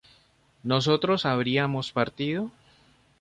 ¿nosotros habríamos partido?